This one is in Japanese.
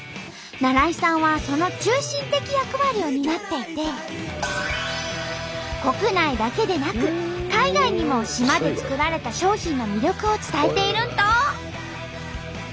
那良伊さんはその中心的役割を担っていて国内だけでなく海外にも島で作られた商品の魅力を伝えているんと！